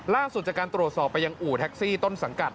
ล่าสุดจากการตรวจสอบไปยังอู่แท็กซี่ต้นสังกัด